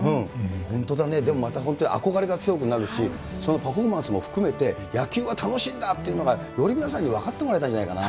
本当だね、でも本当に憧れが強くなるし、そのパフォーマンスも含めて、野球は楽しいんだっていうのがより皆さんに分かってもらえたんじゃないかな。